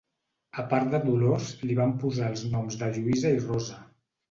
A part de Dolors li van posar els noms de Lluïsa i Rosa.